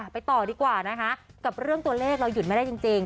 ไปต่อดีกว่านะคะกับเรื่องตัวเลขเราหยุดไม่ได้จริง